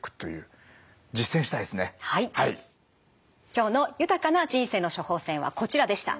今日の豊かな人生の処方せんはこちらでした。